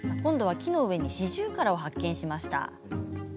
木の上に、シジュウカラを発見。